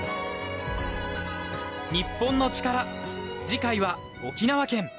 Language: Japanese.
『日本のチカラ』次回は沖縄県。